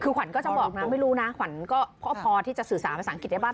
คือขวัญก็จะบอกนะไม่รู้นะขวัญก็พอที่จะสื่อสารภาษาอังกฤษได้บ้าง